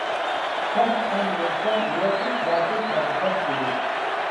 شاھ خان بولسا يۈرەكلىك، باتۇر پادىشاھ ئىدى.